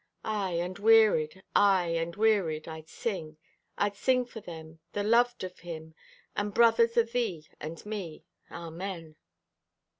Aye, and wearied, aye and wearied, I'd sing. I'd sing for them, the loved o' Him, And brothers o' thee and me. Amen.